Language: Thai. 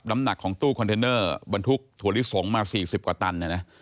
น้ำหนักของตู้คอนเทนเนอร์บรรทุกถั่วลิสงมา๔๐กว่าตัน